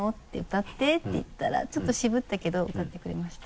歌ってって言ったらちょっと渋ったけど歌ってくれました。